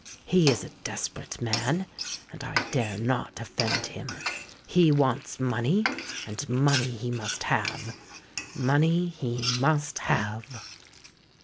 "He is a desperate man—and I dare not offend him. He wants money; and money he must have—money he must have!"